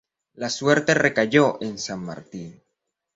La suerte recayó en San Martín.